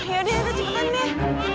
ya udah deh cepetan deh